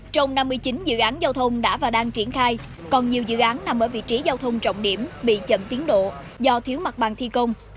trong năm mươi chín dự án giao thông đã và đang triển khai còn nhiều dự án nằm ở vị trí giao thông trọng điểm bị chậm tiến độ do thiếu mặt bằng thi công